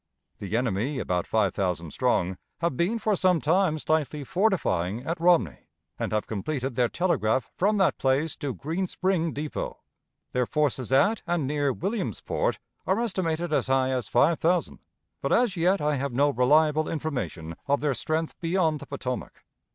The enemy, about five thousand strong, have been for some time slightly fortifying at Romney, and have completed their telegraph from that place to Green Spring Depot. Their forces at and near Williamsport are estimated as high as five thousand, but as yet I have no reliable information of their strength beyond the Potomac.